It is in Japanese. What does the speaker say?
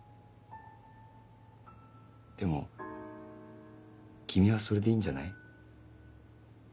でも君はそれでいいんじゃない？